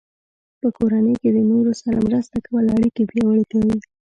په کورنۍ کې د نورو سره مرسته کول اړیکې پیاوړې کوي.